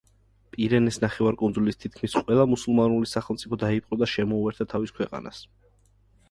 პირენეს ნახევარკუნძულის თითქმის ყველა მუსულმანური სახელმწიფო დაიპყრო და შემოუერთა თავის ქვეყანას.